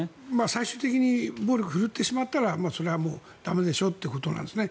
最終的に暴力を振るってしまったらそれはもう駄目でしょうということなんですね。